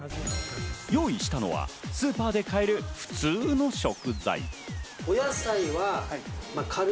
用意したのはスーパーで買える普通の食材。